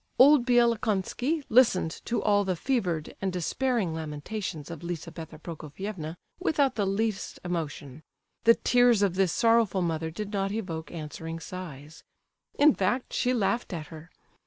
"Old Bielokonski" listened to all the fevered and despairing lamentations of Lizabetha Prokofievna without the least emotion; the tears of this sorrowful mother did not evoke answering sighs—in fact, she laughed at her.